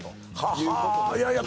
いやいや